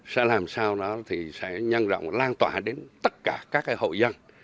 sẽ làm sao đó thì sẽ nhân rộng lan tỏa đến tất cả các hộ dân